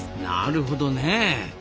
なるほどねえ。